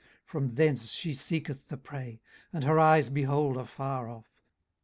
18:039:029 From thence she seeketh the prey, and her eyes behold afar off.